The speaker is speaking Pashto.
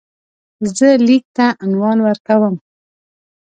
زه لیک ته عنوان ورکوم.